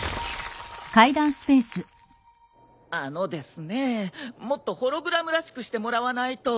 あのですねもっとホログラムらしくしてもらわないと。